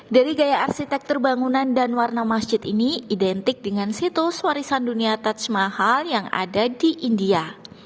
dari gaya arsitektur bangunan dan warna masjid ini identik dengan situs warisan dunia touch mahal yang ada di india